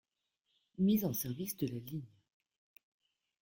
Mise en service de la ligne.